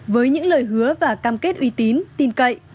với những lời hứa và cam kết uy tín tin cậy